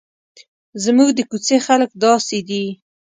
زموږ د کوڅې خلک داسې دي.